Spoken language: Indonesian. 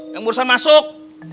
yang bursa masuk